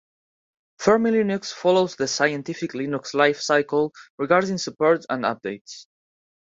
Fermi Linux follows the Scientific Linux life cycle regarding support and updates.